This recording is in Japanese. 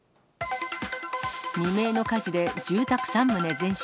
未明の火事で住宅３棟全焼。